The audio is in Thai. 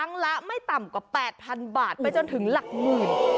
ละไม่ต่ำกว่า๘๐๐๐บาทไปจนถึงหลักหมื่น